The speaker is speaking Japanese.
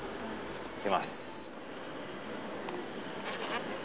いきます」